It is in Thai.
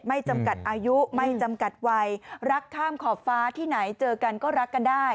จำกัดอายุไม่จำกัดวัยรักข้ามขอบฟ้าที่ไหนเจอกันก็รักกันได้